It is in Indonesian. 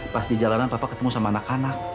pas di jalanan papa ketemu sama anak anak